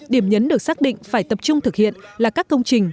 điểm nhấn được xác định phải tập trung thực hiện là các công trình